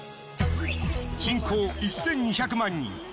人口１，２００万人。